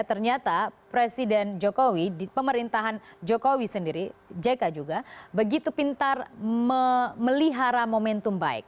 ternyata presiden jokowi di pemerintahan jokowi sendiri jk juga begitu pintar melihara momentum baik